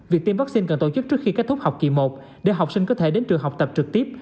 việc tiêm vaccine cần tổ chức trước khi kết thúc học kỳ một để học sinh có thể đến trường học tập trực tiếp